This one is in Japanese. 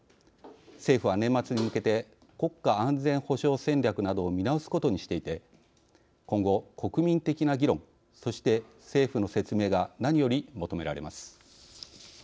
政府は年末に向けて国家安全保障戦略などを見直すことにしていて今後、国民的な議論そして政府の説明が何より求められます。